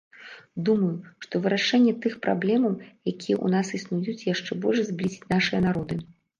Думаю, што вырашэнне тых праблемаў, якія ў нас існуюць, яшчэ больш зблізіць нашыя народы.